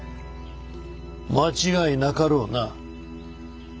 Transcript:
間違いなかろうな。